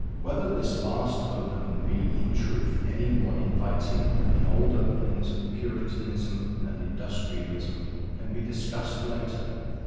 Whether this last opening be in truth any more inviting than the old openings of Puritanism and Industrialism can be discussed later.